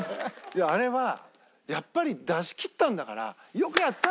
あれはやっぱり出しきったんだから「よくやった！」